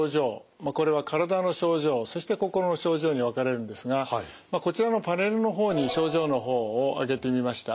これは体の症状そして心の症状に分かれるんですがこちらのパネルの方に症状の方を挙げてみました。